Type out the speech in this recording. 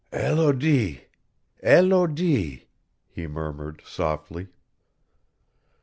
"Elodie! Elodie!" he murmured, softly.